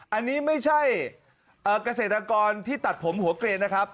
อันนี้ไม่ใช่เกษตรกรที่ตัดผมหัวเกรนนะครับ